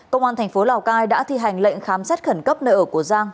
công an tp lào cai đã thi hành lệnh khám xét khẩn cấp nợ của giang